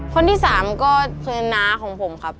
คนที่สามก็เชิญน้าของผมครับ